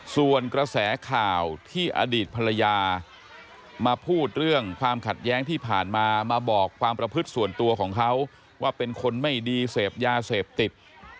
ส่วนกระแสข่าวที่อดีตภรรยามาพูดเรื่องความขัดแย้งที่ผ่านมามาบอกความประพฤติส่วนตัวของเขาว่าเป็นคนไม่ดีเสพยาเสพติด